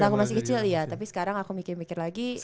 aku masih kecil ya tapi sekarang aku mikir mikir lagi